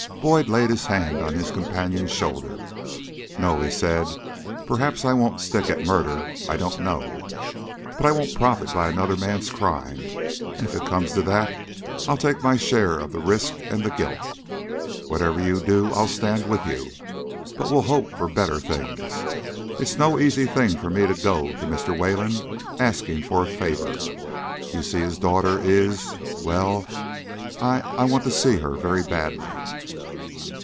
Boyd laid his hand on his companion's shoulder. "No," he said. "Perhaps I wouldn't stick at murder I don't know. But I won't profit by another man's crime, and if it comes to that, I'll take my share of the risk and the guilt. Whatever you do, I stand with you. But we'll hope for better things. It's no easy thing for me to go to Mr. Wayland asking a favor. You see, his daughter is Well, I I want to see her very badly."